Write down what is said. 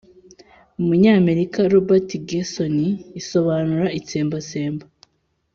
umunyamerika Robert Gersony isobanura itsembatsemba